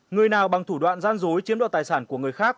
người nào bằng thủ đoạn gian dối chiếm đoạt tài sản của người khác